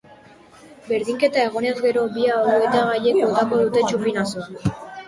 Berdinketa egonez gero, bi hautagaiek botako dute txupinazoa.